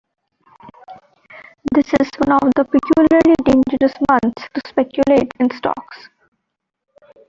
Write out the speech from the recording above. This is one of the peculiarly dangerous months to speculate in stocks.